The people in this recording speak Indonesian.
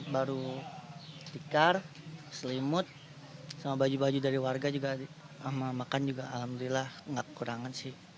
baru tikar selimut sama baju baju dari warga juga sama makan juga alhamdulillah nggak kekurangan sih